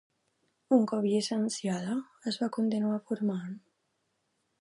Un cop llicenciada, es va continuar formant?